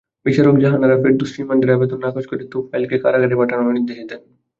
বিচারক জাহানারা ফেরদৌস রিমান্ডের আবেদন নাকচ করে তোফাইলকে কারাগারে পাঠানোর নির্দেশ দেন।